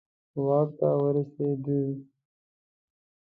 واک ته ورسېدي.